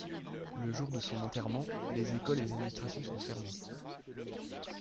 Le jour de son enterrement, les écoles et les administrations sont fermées.